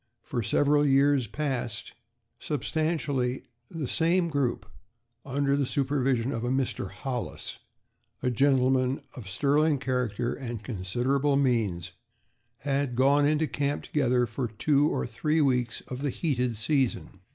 For several years past, substantially the same group under the supervision of a Mr. Hollis, a gentleman of sterling character and considerable means, had gone into camp together for two or three weeks of the heated season.